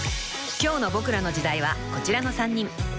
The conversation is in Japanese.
［今日の『ボクらの時代』はこちらの３人］